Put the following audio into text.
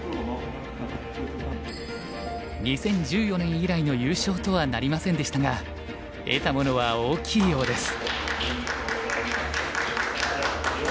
２０１４年以来の優勝とはなりませんでしたが得たものは大きいようです。